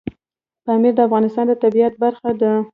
پامیر د افغانستان د طبیعت برخه ده.